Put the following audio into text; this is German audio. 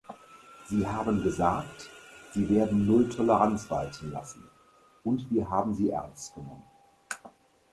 Sie haben gesagt, sie werden Nulltoleranz walten lassen, und wir haben Sie ernst genommen.